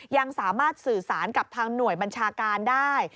ยังสามารถสื่อสารกับทางหน่วยบัญชาการได้